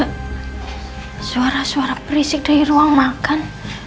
kok ada suara suara berisik dari ruang makan